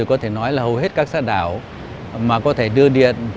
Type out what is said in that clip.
có thể nói là hầu hết các xã đảo mà có thể đưa điện